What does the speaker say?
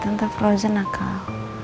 tete froidan nakal